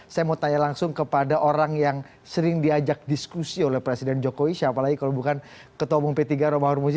saya mau tanya langsung kepada orang yang sering diajak diskusi oleh presiden jokowi siapa lagi kalau bukan ketua umum p tiga romahur muzi